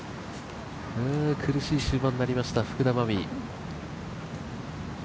苦しい終盤になりました福田真未。